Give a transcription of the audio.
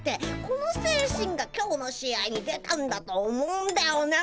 この精神が今日の試合に出たんだと思うんだよね。